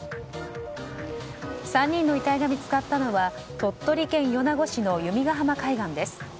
３人の遺体が見つかったのは鳥取県米子市の弓ヶ浜海岸です。